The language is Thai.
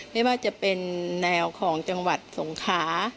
ไม่ว่าจะเป็นแนวของจังหวัดสงขา